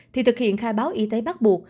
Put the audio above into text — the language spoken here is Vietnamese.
thì thực hiện khai báo y tế bắt buộc